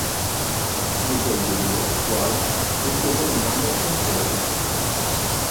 Molti allievi della scuola risiedono in "Andersen Hall".